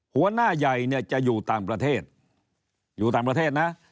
หัวหน้าใหญ่จะอยู่ต่างประเทศ